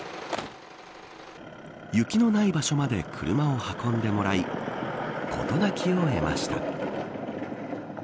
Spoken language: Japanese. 雪のない場所まで車を運んでもらい事なきを得ました。